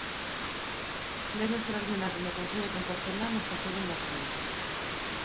Pleno extraordinario no Concello compostelán nesta segunda feira.